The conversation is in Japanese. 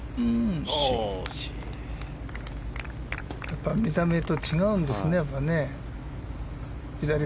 やっぱり見た目と違うんですね。